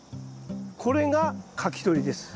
これがかき取りです。